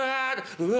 「うわ。